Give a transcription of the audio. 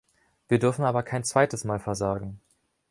Wir dürfen aber kein zweites Mal versagen.